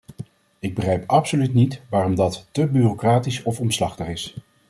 Ik begrijp absoluut niet waarom dat te bureaucratisch of omslachtig is.